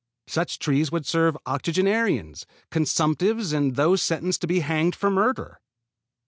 Such trees would serve octogenarians, consumptives and those sentenced to be hanged for murder.